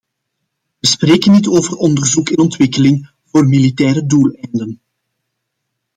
We spreken niet over onderzoek en ontwikkeling voor militaire doeleinden.